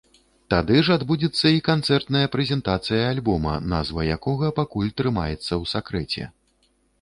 Тады ж адбудзецца і канцэртная прэзентацыя альбома, назва якога пакуль трымаецца ў сакрэце.